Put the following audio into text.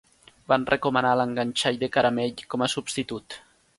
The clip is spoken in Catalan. Van recomanar l'enganxall de caramell com a substitut.